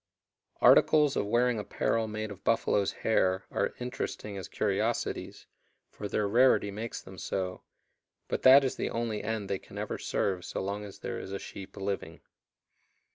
Articles of wearing apparel made of buffalo's hair are interesting as curiosities, for their rarity makes them so, but that is the only end they can ever serve so long as there is a sheep living.